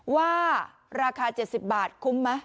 ว่าราคา๗๐บาทคุ้มไหม